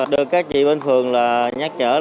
được các chị bên phường nhắc nhở